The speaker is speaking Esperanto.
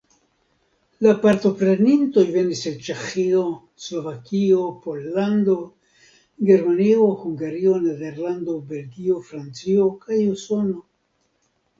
La partoprenintoj venis el Ĉeĥio, Slovakio, Pollando, Germanio, Hungario, Nederlando, Belgio, Francio kaj Usono.